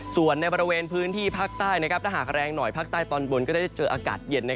ส่วนในบริเวณพื้นที่ภาคใต้ถ้าหากแรงหน่อยภาคใต้ตอนบนก็จะได้เจออากาศเย็น